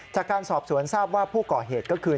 จากการสอบสวนทราบว่าผู้ก่อเหตุก็คือ